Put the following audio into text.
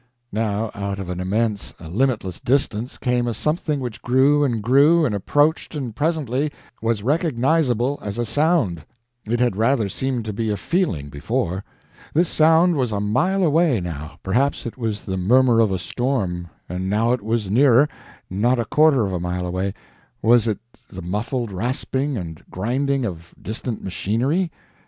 Now out of an immense, a limitless distance, came a something which grew and grew, and approached, and presently was recognizable as a sound it had rather seemed to be a feeling, before. This sound was a mile away, now perhaps it was the murmur of a storm; and now it was nearer not a quarter of a mile away; was it the muffled rasping and grinding of distant machinery?